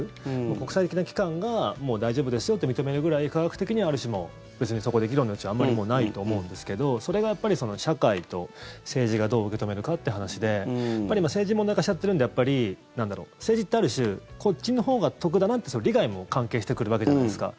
国際的な機関がもう大丈夫ですよと認めるぐらい科学的には別にそこで議論の余地はあまりないと思うんですけどそれがやっぱり社会と政治がどう受け止めるかって話で政治問題化しちゃってるので政治ってある種こっちのほうが得だなって利害も関係してくるわけじゃないですか。